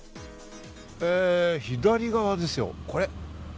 左側ですよ、これ。